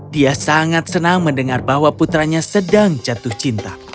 dia sangat senang mendengar bahwa putranya sedang jatuh cinta